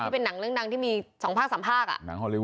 เป็นหนังเรื่องดังที่มี๒ภาค๓ภาค